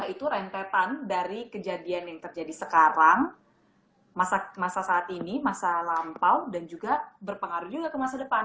itu rentetan dari kejadian yang terjadi sekarang masa saat ini masa lampau dan juga berpengaruh juga ke masa depan